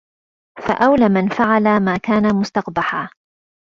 فَأَوْلَى مَنْ فَعَلَ مَا كَانَ مُسْتَقْبَحًا